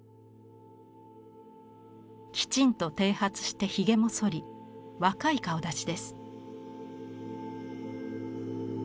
きちんとてい髪してひげもそり若い顔だちです。